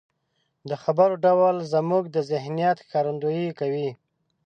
د خبرو ډول زموږ د ذهنيت ښکارندويي کوي.